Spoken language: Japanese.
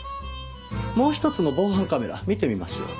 もう一つの防犯カメラ見てみましょう。